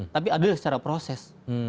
tapi adil secara proses